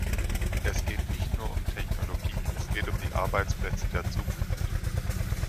Es geht nicht nur um Technologie, es geht um die Arbeitsplätze der Zukunft.